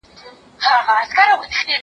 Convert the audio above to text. زه موبایل نه کاروم!!